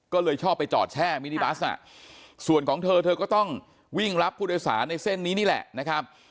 ก็เลยชอบไปจอดแช่มินิบัสส่วนของเธอเธอก็ต้องวิ่งรับผู้โดยสารในเส้นนี้นี่แหละนะครับ